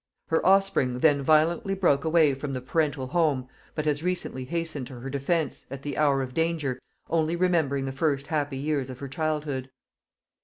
Her offspring then violently broke away from the parental home, but has recently hastened to her defence, at the hour of danger, only remembering the first happy years of her childhood.